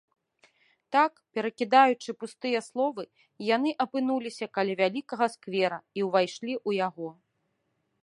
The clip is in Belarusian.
Так, перакідаючы пустыя словы, яны апынуліся каля вялікага сквера і ўвайшлі ў яго.